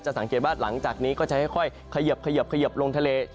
สังเกตว่าหลังจากนี้ก็จะค่อยเขยิบลงทะเล